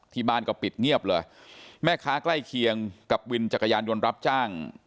ที่บ้านก็ปิดเงียบเลยแม่ค้าใกล้เคียงกับวินจักรยานยนต์รับจ้าง